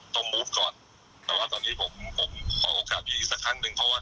จ่ายหมดใช่ครับพี่พี่ผมมีค่าคดีเข้ามาอยู่ครับอ่า